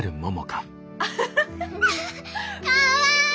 かわいい！